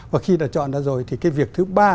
và khi đã chọn ra rồi thì cái việc thứ ba